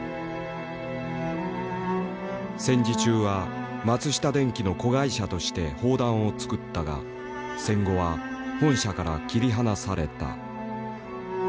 戦時中は松下電器の子会社として砲弾をつくったが戦後は本社から切り離された。